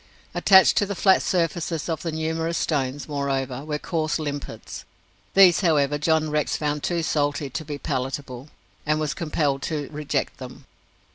Attached to the flat surfaces of the numerous stones, moreover, were coarse limpets. These, however, John Rex found too salt to be palatable, and was compelled to reject them.